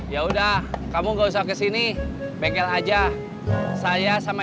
ya udah kamu nggak usah kesini bengkel aja saya sama